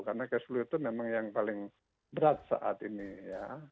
karena cash flow itu memang yang paling berat saat ini ya